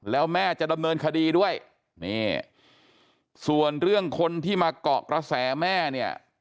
แล้วแม่จะดำเนินคดีด้วยนี่ส่วนเรื่องคนที่มาเกาะกระแสแม่เนี่ย